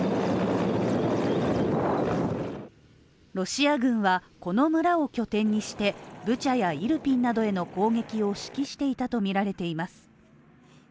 ロシア軍はこの村を拠点にして、ブチャやイルピンなどへの攻撃を指揮していたとみられています。